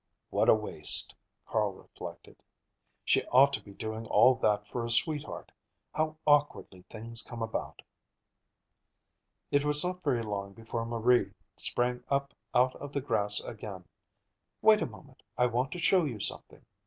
"What a waste," Carl reflected. "She ought to be doing all that for a sweetheart. How awkwardly things come about!" It was not very long before Marie sprang up out of the grass again. "Wait a moment. I want to show you something."